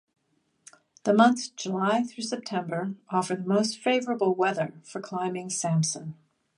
The months July through September offer the most favorable weather for climbing Sampson.